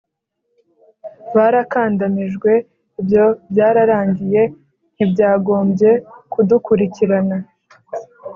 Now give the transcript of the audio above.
barakandamijwe, ibyo byararangiye, ntibyagombye kudukurikirana.